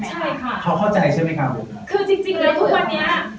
ใช่ค่ะเขาเข้าใจใช่ไหมครับผมคือจริงจริงแล้วทุกวันนี้